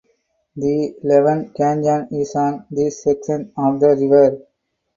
The Leven Canyon is on this section of the river.